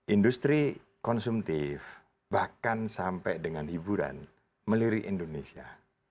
industri konsumtif bahkan sampai dengan hiburan melirik indonesia